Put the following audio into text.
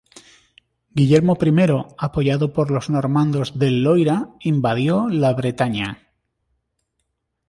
Guillermo I, apoyado por los normandos del Loira, invadió la Bretaña.